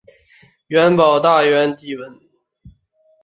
保大元年撰文。